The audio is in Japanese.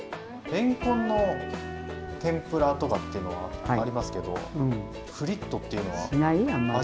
れんこんの天ぷらとかっていうのはありますけどフリットっていうのは初めてですね。